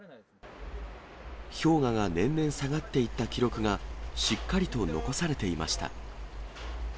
氷河が年々下がっていった記録がしっかりと残されていました。